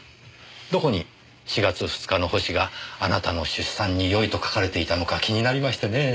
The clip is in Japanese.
どこに４月２日の星があなたの出産によいと書かれていたのか気になりましてねぇ。